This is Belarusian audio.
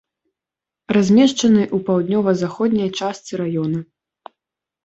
Размешчаны ў паўднёва-заходняй частцы раёна.